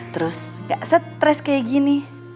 terus gak stres kayak gini